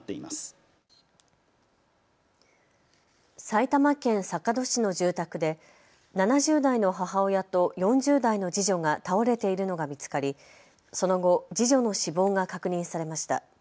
埼玉県坂戸市の住宅で７０代の母親と４０代の次女が倒れているのが見つかりその後、次女の死亡が確認されました。